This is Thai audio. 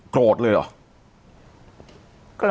โกรธเลยเหรอ